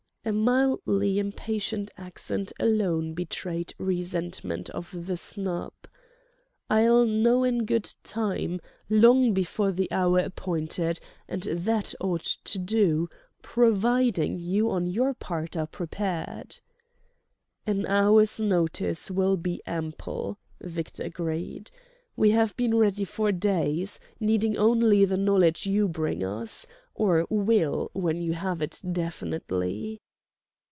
A mildly impatient accent alone betrayed resentment of the snub. "I'll know in good time, long before the hour appointed; and that ought to do, providing you on your part are prepared." "An hour's notice will be ample," Victor agreed. "We have been ready for days, needing only the knowledge you bring us—or will, when you have it definitely."